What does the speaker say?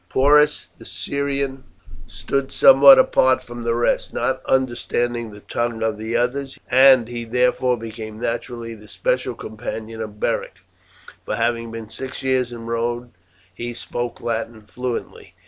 Porus, the Syrian, stood somewhat apart from the rest, not understanding the tongue of the others, and he therefore became naturally the special companion of Beric; for having been six years in Rome he spoke Latin fluently.